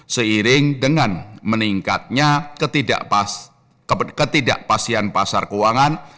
seiring dengan meningkatnya ketidakpastian pasar keuangan